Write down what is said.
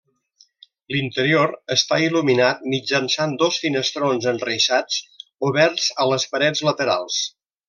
L'interior està il·luminat mitjançant dos finestrons enreixats oberts a les parets laterals.